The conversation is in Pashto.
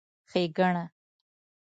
ښېګړه